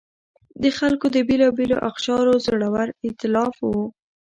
د خلکو د بېلابېلو اقشارو زړور اېتلاف و.